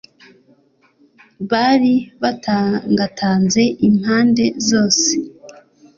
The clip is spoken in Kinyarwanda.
bari bantangatanze impande zose